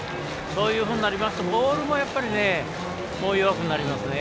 そういうふうになりますとボールも弱くなりますね。